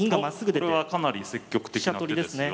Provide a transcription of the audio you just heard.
これはかなり積極的な手ですよ。